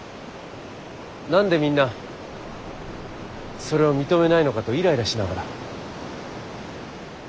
何でみんなそれを認めないのかと苛々しながら。